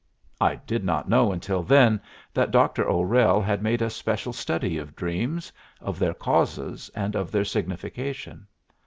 I did not know until then that Dr. O'Rell had made a special study of dreams, of their causes and of their signification.